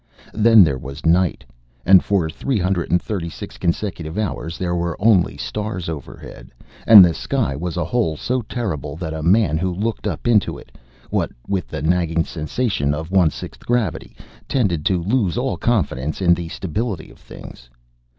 Then there was night, and for three hundred and thirty six consecutive hours there were only stars overhead and the sky was a hole so terrible that a man who looked up into it what with the nagging sensation of one sixth gravity tended to lose all confidence in the stability of things.